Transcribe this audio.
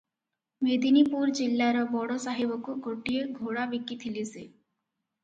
ମେଦିନୀପୁର ଜିଲ୍ଲାର ବଡ଼ ସାହେବକୁ ଗୋଟିଏ ଘୋଡ଼ାବିକି ଥିଲେ ସେ ।